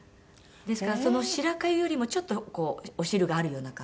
ですから白粥よりもちょっとこうお汁があるような感じですね。